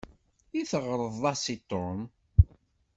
I teɣreḍ-as i Tom?